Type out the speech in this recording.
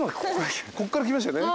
こっから来ましたね。